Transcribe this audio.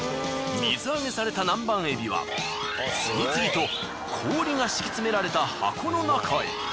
水揚げされた南蛮エビは次々と氷が敷き詰められた箱の中へ。